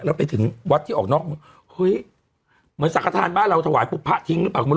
แล้วไปถึงวัดที่ออกนอกเฮ้ยเหมือนสั่งกระทานบ้านเราถวายผ้าทิ้งหรือเปล่า